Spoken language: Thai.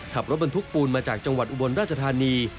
ขับรถบรรทุกปูนมาจากจังหวัดอุบลราชธานี